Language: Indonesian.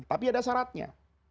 tapi ada syaratnya